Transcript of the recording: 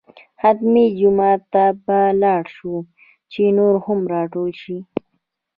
حتمي جومات ته به لاړ شو چې نور هم راټول شي.